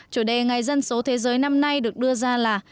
chủ đề ngày dân số thế giới năm nay được đưa ra là